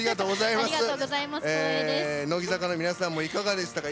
乃木坂の皆さんもいかがでしたか？